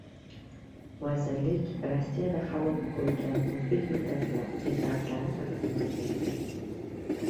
Vazirlik Rossiyada halok bo‘lgan o‘zbek migrantlari haqida ma’lumot berdi